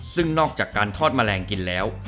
ซึ่งนอกจากการทอดแมลงกินแล้ว